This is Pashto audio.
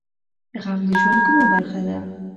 غم د ژوند کومه برخه ده؟